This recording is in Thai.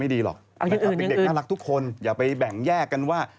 เป็นเด็กน่ารักทุกคนอย่าไปแบ่งแยกกันว่า